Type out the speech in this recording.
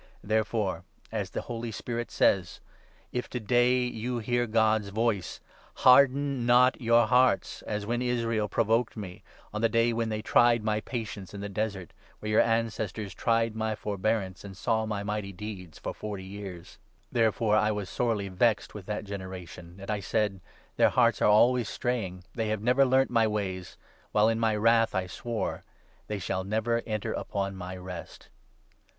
Therefore, as the Holy Spirit says — 7 ' If to day you hear God's voice, Harden not your hearts, as when Israel provoked me 8 On the day when they tried my patience in the desert, Where your ancestors tried my forbearance, 9 And saw my mighty deeds for forty years. 11 12 ps. „. 22, 13 14 Isa. 8. 17 18. is Isa. 41. 8—9. " ps. „. aa. 8— * Num. 12. 7. 434 HEBREWS, Therefore I was sorely vexed with that generation, And I said —" Their hearts are always straying ; They have never learnt my ways "; While in my wrath I swore —" They shall never enter upon my Rest."